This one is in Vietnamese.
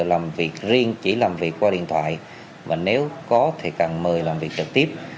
làm việc riêng chỉ làm việc qua điện thoại và nếu có thì cần mời làm việc trực tiếp